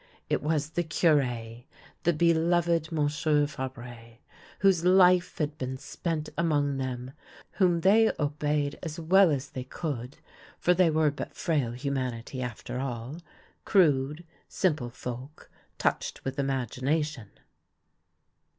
It was the Cure, the beloved M. Fabre, whose life had been spent among them, whom they obeyed as well as they could, for they were but frail humanity, after all — crude, simple folk, touched with imagination.